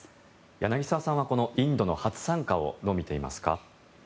柳澤さんはこのインドの初参加をどう見ていますか。